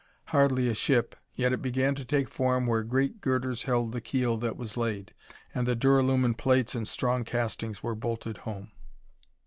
Hardly a ship, yet it began to take form where great girders held the keel that was laid, and duralumin plates and strong castings were bolted home.